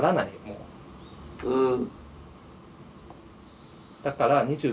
うん。